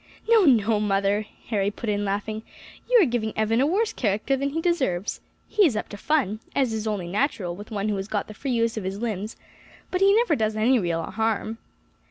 "No, no, mother," Harry put in, laughing; "you are giving Evan a worse character than he deserves. He is up to fun, as is only natural with one who has got the free use of his limbs, but he never does any real harm."